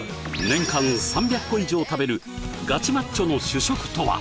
年間３００個以上食べるガチマッチョの主食とは？